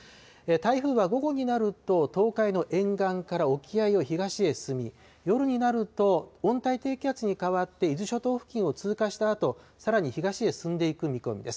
台風は午後になると、東海の沿岸から沖合を東へ進み、夜になると温帯低気圧に変わって伊豆諸島付近を通過したあと、さらに東へ進んでいく見込みです。